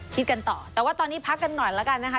คิดกันต่อแต่ว่าตอนนี้พักกันหน่อยแล้วกันนะคะ